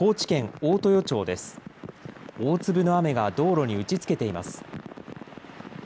大粒の雨が道路に打ちつけています。